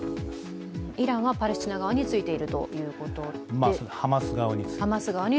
イランはハマス側についているということですね。